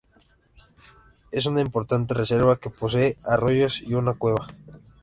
Es una importante reserva, que posee arroyos y una cueva.